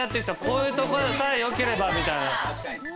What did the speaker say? こういうところさえよければ。